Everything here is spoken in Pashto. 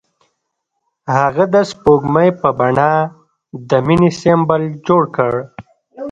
هغه د سپوږمۍ په بڼه د مینې سمبول جوړ کړ.